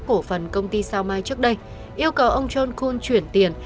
cổ phần công ty sao mai trước đây yêu cầu ông john chuyển tiền